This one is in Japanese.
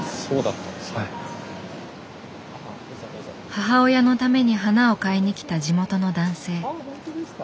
母親のために花を買いに来た地元の男性。